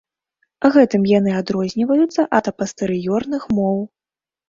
Гэтым яны адрозніваюцца ад апастэрыёрных моў.